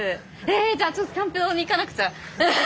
えじゃあちょっとキャンプ場に行かなくちゃ！